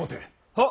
・はっ。